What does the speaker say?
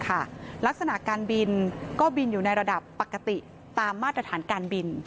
ก็ถูกทรัพย์ค่ะลักษณะการบินก็บินอยู่ในระดับปกติตามมาตรฐานการบิน